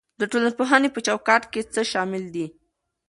د ټولنپوهنې په چوکاټ کې څه شامل دي؟